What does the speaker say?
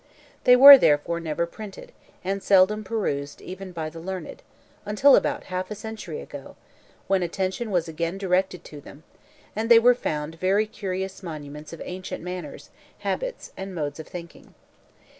They were therefore never printed, and seldom perused even by the learned, until about half a century ago, when attention was again directed to them, and they were found very curious monuments of ancient manners, habits, and modes of thinking.